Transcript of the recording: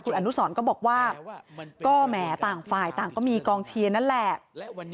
คุณอนุสรก็บอกว่าก็แหมต่างฝ่ายต่างก็มีกองเชียร์นั่นแหละ